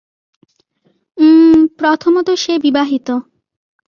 উম, প্রথমত সে বিবাহিত।